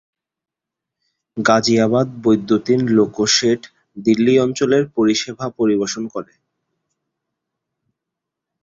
গাজিয়াবাদ বৈদ্যুতিন loco shed Delhi অঞ্চলের পরিষেবা পরিবেশন করে।